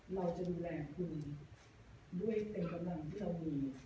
เราจะดูแลคุณด้วยเต็มกำลังที่เรามี